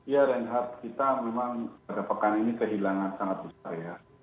ya renhard kita memang mendapatkan ini kehilangan sangat besar ya